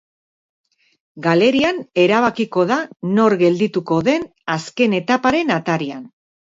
Galerian erabakiko da nor geldituko den azken etaparen atarian.